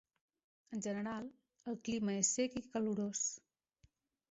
En general, el clima és sec i calorós.